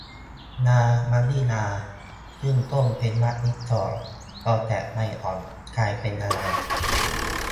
ลามะลิลา ขึ้นต้นเป็นมะลิซ้อน พอแตกใบอ่อน กลายเป็นอะไร